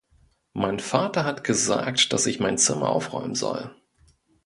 Mein Vater hat gesagt, dass ich mein Zimmer aufräumen soll.